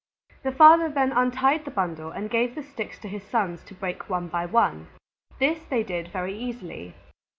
The Father then untied the bundle and gave the sticks to his Sons to break one by one. This they did very easily.